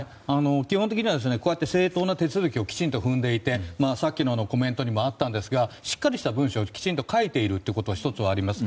基本的にはこういった正当な手続きをきちんと踏んでいて、さっきのコメントにもありましたがしっかりした文章を書いているということがあります。